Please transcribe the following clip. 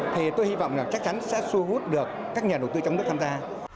thì tôi hy vọng là chắc chắn sẽ xu hút được các nhà đầu tư trong nước tham gia